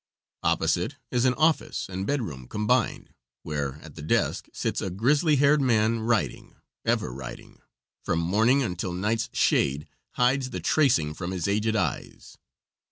Opposite is an office and bedroom combined, where, at the desk, sits a grizzly haired man writing, ever writing, from morning until night's shade hides the tracing from his aged eyes.